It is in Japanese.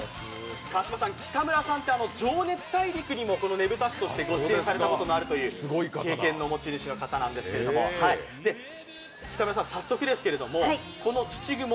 北村さんって「情熱大陸」にも、このねぶた師としてご出演されたとがあるという経験の持ち主の方なんですけど、北村さん、早速ですけどこの「土蜘蛛」